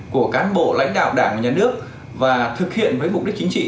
của cán bộ lãnh đạo đảng nhà nước và thực hiện với mục đích chính trị